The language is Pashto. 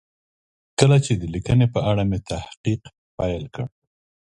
کله چې د لیکنې په اړه مې تحقیق پیل کړ.